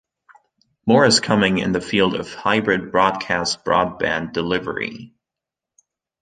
More is coming in the field of hybrid broadcast-broadband delivery.